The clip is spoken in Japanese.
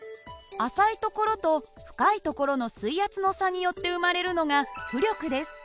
浅い所と深い所の水圧の差によって生まれるのが浮力です。